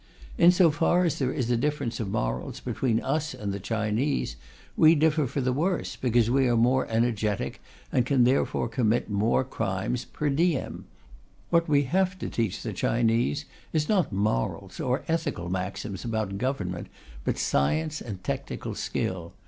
In so far as there is a difference of morals between us and the Chinese, we differ for the worse, because we are more energetic, and can therefore commit more crimes per diem. What we have to teach the Chinese is not morals, or ethical maxims about government, but science and technical skill.